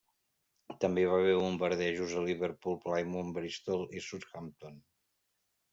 També hi va haver bombardejos a Liverpool, Plymouth, Bristol i Southampton.